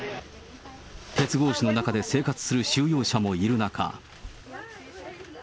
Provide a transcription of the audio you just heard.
鉄格子の中で生活する収容者もいる中。